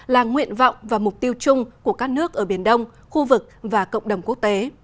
là nguyện vọng và mục tiêu chung của các nước ở biển đông khu vực và cộng đồng quốc tế